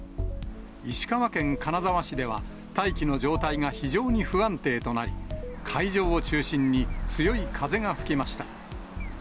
石川県金沢市では大気の状態が非常に不安定となり、海上を中心に強い風が吹きました。